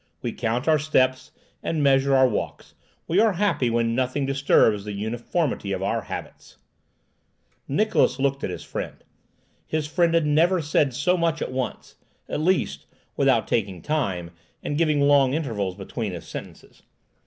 We count our steps and measure our walks. We are happy when nothing disturbs the uniformity of our habits." Niklausse looked at his friend. His friend had never said so much at once—at least, without taking time, and giving long intervals between his sentences.